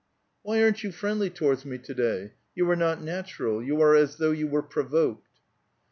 *' Why aren't you friendly towards me to day? You are not natural; you are as though you wore provoked."